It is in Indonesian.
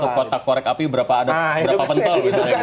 dalam satu kotak korek api berapa ada berapa pentel